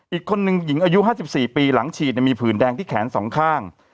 อีกคนนึงหญิงอายุ๕๔ปีหลังฉีดมีผื่นแดงที่แขนสองข้าง